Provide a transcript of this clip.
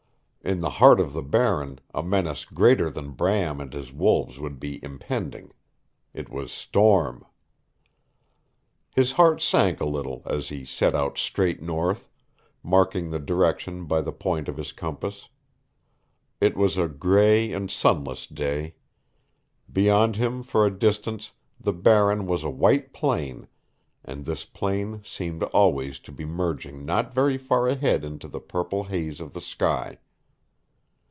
In the heart of the Barren a menace greater than Bram and his wolves would be impending. It was storm. His heart sank a little as he set out straight north, marking the direction by the point of his compass. It was a gray and sunless day. Beyond him for a distance the Barren was a white plain, and this plain seemed always to be merging not very far ahead into the purple haze of the sky.